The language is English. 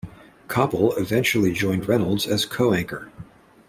Koppel eventually joined Reynolds as co-anchor.